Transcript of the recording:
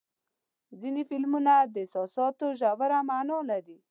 ځینې فلمونه د احساساتو ژوره معنا لري.